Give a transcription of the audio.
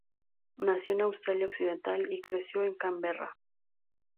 Nació en Australia Occidental y se crio en Canberra.